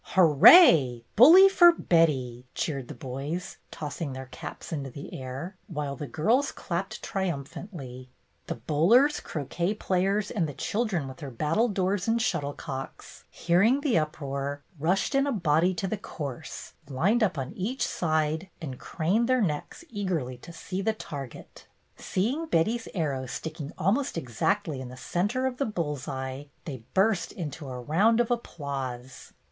"Hooray! Bully for Betty!" cheered the boys, tossing their caps into the air, while the girls clapped triumphantly. The bowlers, croquet players, and the 84 BETTY BAIRD'S GOLDEN YEAR children with their battledores and shuttle cocks, hearing the uproar, rushed in a body to the course, lined up on each side, and craned their necks eagerly to see the target. Seeing Betty's arrow sticking almost exactly in the centre of the bull's eye, they burst into a round of applause.